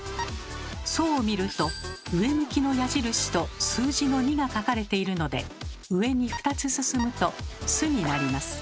「そ」を見ると上向きの矢印と数字の２が書かれているので上に２つ進むと「す」になります。